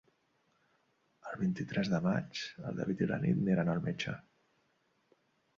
El vint-i-tres de maig en David i na Nit aniran al metge.